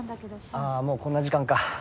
ああもうこんな時間か。